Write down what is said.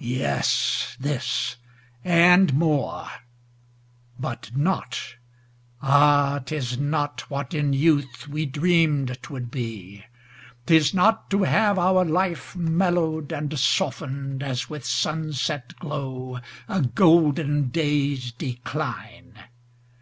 Yes, this, and more; but not Ah, 'tis not what in youth we dream'd 'twould be! 'Tis not to have our life Mellow'd and soften'd as with sunset glow, A golden day's decline.